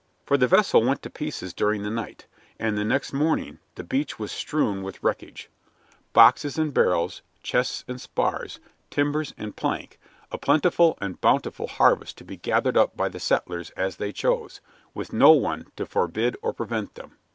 For the vessel went to pieces during the night, and the next morning the beach was strewn with wreckage boxes and barrels, chests and spars, timbers and planks, a plentiful and bountiful harvest to be gathered up by the settlers as they chose, with no one to forbid or prevent them.